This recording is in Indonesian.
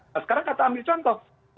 nah sekarang kata ambil contoh